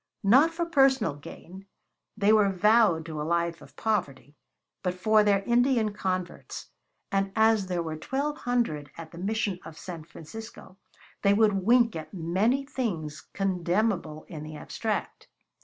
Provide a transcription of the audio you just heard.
Not for personal gain they were vowed to a life of poverty; but for their Indian converts; and as there were twelve hundred at the Mission of San Francisco, they would wink at many things condemnable in the abstract.